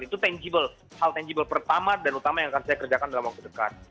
itu tangible hal tangible pertama dan utama yang akan saya kerjakan dalam waktu dekat